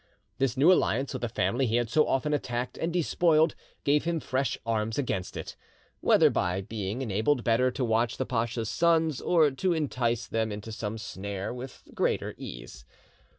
This new alliance with a family he had so often attacked and despoiled gave him fresh arms against it, whether by being enabled better to watch the pasha's sons, or to entice them into some snare with greater ease.